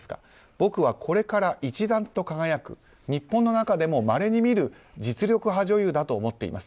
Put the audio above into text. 僕はこれから、一段と輝く日本の中でもまれに見る実力派女優だと思っています。